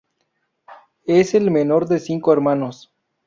Es el menor de cinco hermanos.